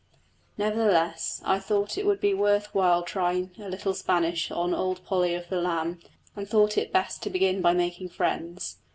Nevertheless I thought it would be worth while trying a little Spanish on old Polly of the Lamb, and thought it best to begin by making friends.